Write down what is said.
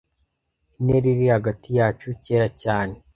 Intera iri hagati yacu. Kera cyane